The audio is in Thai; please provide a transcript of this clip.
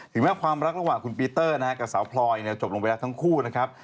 แม้ความรักระหว่างคุณปีเตอร์นะฮะกับสาวพลอยจบลงไปแล้วทั้งคู่นะครับ